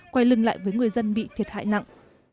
quay lưng lại với người dân bị thiệt hại nặng